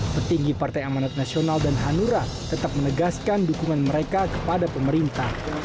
petinggi partai amanat nasional dan hanura tetap menegaskan dukungan mereka kepada pemerintah